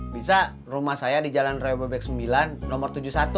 bisa rumah saya di jalan raya bebek sembilan nomor tujuh puluh satu